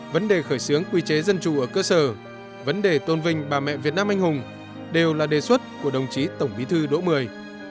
vấn đề khởi xướng quy chế dân chủ ở cơ sở vấn đề tôn vinh bà mẹ việt nam anh hùng đều là đề xuất của đồng chí tổng bí thư đỗ mười